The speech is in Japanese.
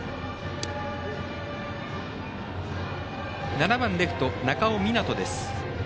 ７番レフト、中尾湊です。